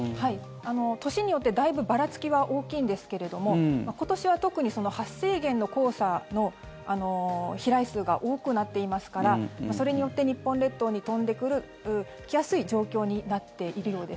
年によって、だいぶばらつきは大きいんですけれども今年は特に発生源の黄砂の飛来数が多くなっていますからそれによって日本列島に飛んできやすい状況になっているようです。